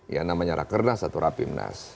yang namanya rakernas atau rapimnas